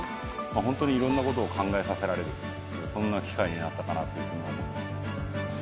本当にいろんなことを考えさせられる、そんな機会になったかなというふうに思いました。